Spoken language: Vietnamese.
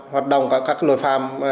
hoạt động các lội phạm